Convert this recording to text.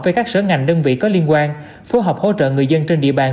với các sở ngành đơn vị có liên quan phối hợp hỗ trợ người dân trên địa bàn